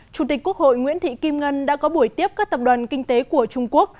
chủ tịch quốc hội nguyễn thị kim ngân đã có buổi tiếp các tập đoàn kinh tế của trung quốc